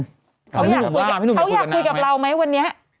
เขาอยากคุยกับนางไหมพี่หนุ่มอยากคุยกับนางไหมพี่หนุ่มอยากคุยกับนางไหมวันนี้